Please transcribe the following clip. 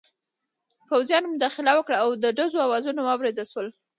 پوځیانو مداخله وکړه او د ډزو اوازونه واورېدل شول.